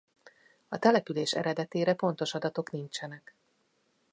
A település eredetére pontos adatok nincsenek.